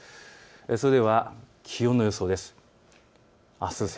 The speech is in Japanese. それでは気温の予想です。